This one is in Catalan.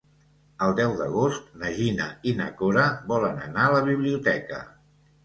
El deu d'agost na Gina i na Cora volen anar a la biblioteca.